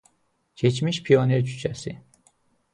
Keçmiş Pioner küçəsi.